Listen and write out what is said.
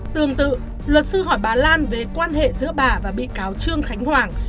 tương tự luật sư hỏi bà lan về quan hệ giữa bà và bị cáo trương khánh hoàng